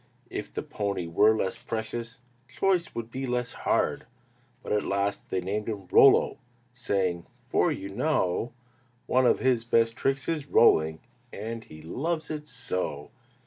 If the pony were less precious, Choice would be less hard! But at last they named him "Rollo," Saying, "For you know One of his best tricks is rolling, And he loves it so."